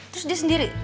terus dia sendiri